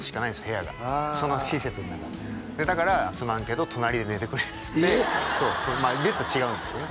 部屋がああその施設の中でだから「すまんけど隣で寝てくれ」っつってベッドは違うんですけどね